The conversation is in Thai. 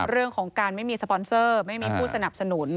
เรื่องของการไม่มีสปอนเซอร์ไม่มีผู้สนับสนุน